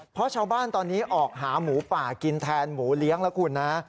เพราะชาวบ้านตอนนี้ออกหาหมูป่ากินแทนหมูเลี้ยงแล้วคุณนะ